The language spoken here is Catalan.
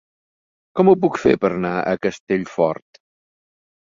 Com ho puc fer per anar a Castellfort?